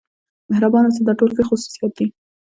مهربان اوسه دا ټول ښه خصوصیات دي.